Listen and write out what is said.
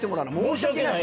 申し訳ない。